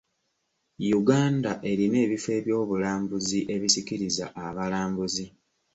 Uganda erina ebifo ebyobulambuzi ebisikiriza abalambuzi.